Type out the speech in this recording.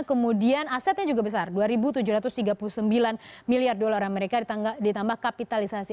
kemudian asetnya juga besar dua tujuh ratus tiga puluh sembilan miliar dolar amerika ditambah kapitalisasi